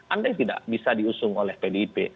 andai tidak bisa diusung oleh pdip